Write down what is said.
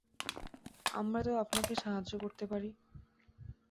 আমরা তো আপনাকে সাহায্য করতে পারি।